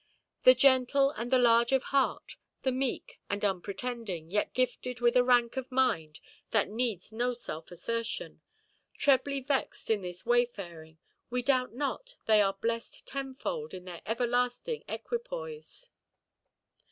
The gentle and the large of heart, the meek and unpretending, yet gifted with a rank of mind that needs no self–assertion, trebly vexed in this wayfaring, we doubt not they are blest tenfold in the everlasting equipoise.